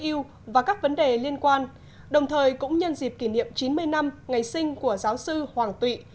yêu và các vấn đề liên quan đồng thời cũng nhân dịp kỷ niệm chín mươi năm ngày sinh của giáo sư hoàng tụy